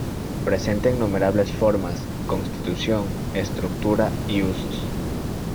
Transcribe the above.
Presenta innumerables formas, constitución, estructura y usos.